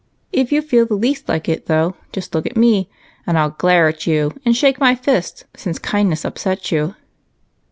If you feel the least bit like it, though, just look at me and I'll glare at you and shake my fist, since kindness upsets you."